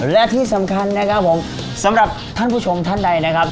และที่สำคัญนะครับผมสำหรับท่านผู้ชมท่านใดนะครับ